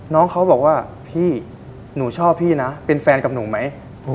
น้องเขาบอกว่าพี่หนูชอบพี่นะเป็นแฟนกับหนูไหม